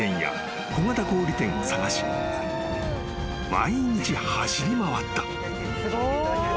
［毎日走り回った］